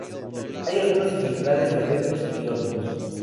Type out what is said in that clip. Hay algunos ejemplares de abetos y olmos.